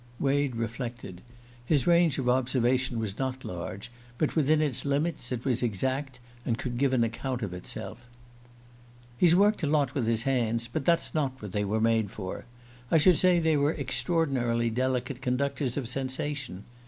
Wade reflected. His range of observation was not large, but within its limits it was exact and could give an account of itself. "He's worked a lot with his hands, but that's not what they were made for. I should say they were extraordinarily delicate conductors of sensation.